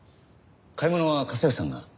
買い物は家政婦さんが？